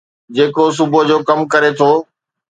جيڪو صبح جو ڪم ڪري ٿو